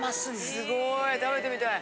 すごい食べてみたい。